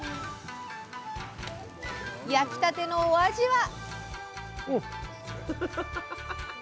焼きたてのお味は？